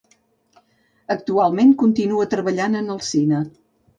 Actualment, continua treballant en el cine.